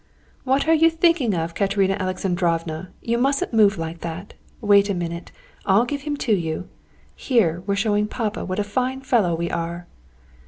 "What are you thinking of, Katerina Alexandrovna, you mustn't move like that! Wait a minute. I'll give him to you. Here we're showing papa what a fine fellow we are!"